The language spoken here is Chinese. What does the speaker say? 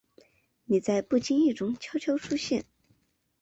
你在不经意中悄悄出现